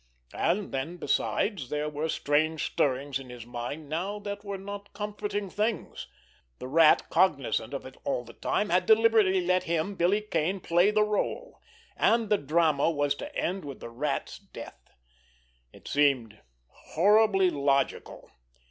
And then, besides, there were strange stirrings in his mind now that were not comforting things. The Rat, cognizant of it all the time, had deliberately let him, Billy Kane, play the role—and the drama was to end with the Rat's death. It seemed horribly logical.